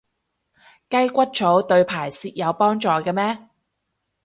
雞骨草對排泄有幫助嘅咩？